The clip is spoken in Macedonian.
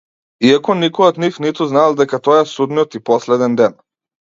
Иако никој од нив ниту знаел дека тоа е судниот и последен ден.